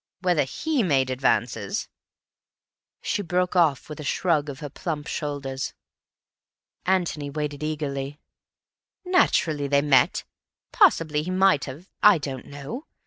Whether he made advances—" She broke off with a shrug of her plump shoulders. Antony waited eagerly. "Naturally they met. Possibly he might have—I don't know.